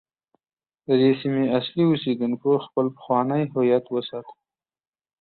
د دې سیمې اصلي اوسیدونکو خپل پخوانی هویت وساته.